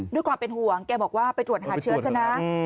ด้วยความเป็นห่วงแกบอกว่าไปตรวจหาเชื้อซะนะ